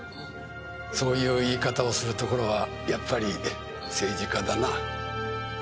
そういう言い方をするところはやっぱり政治家だな。